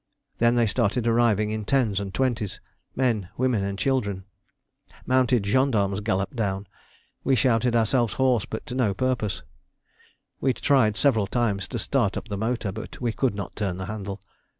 Then they started arriving in tens and twenties, men, women, and children. Mounted gendarmes galloped down. We shouted ourselves hoarse, but to no purpose. We tried several times to start up the motor, but we could not turn the handle.